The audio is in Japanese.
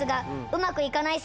うまくいかない。